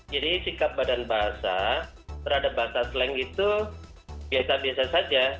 jadi sikap badan bahasa terhadap bahasa slang itu biasa biasa saja